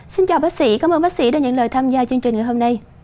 xin chào bác sĩ cảm ơn bác sĩ đã nhận lời tham gia chương trình ngày hôm nay